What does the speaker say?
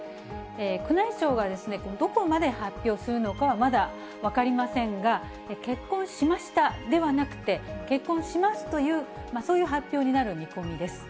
宮内庁がどこまで発表するのかは、まだ分かりませんが、結婚しましたではなくて、結婚しますという、そういう発表になる見込みです。